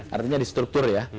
artinya di struktur ya